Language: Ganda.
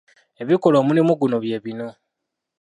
Ebikola omulimo guno bye bino.